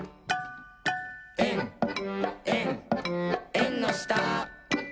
「えんえんえんのした」